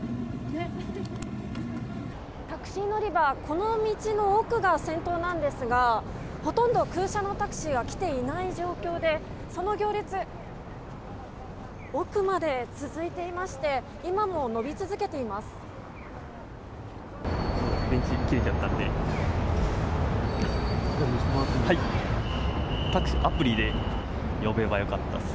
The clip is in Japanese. タクシー乗り場、この道の奥が先頭なんですが、ほとんど空車のタクシーは来ていない状況で、その行列、奥まで続いていまして、今も伸び続けてい電池切れちゃったんで。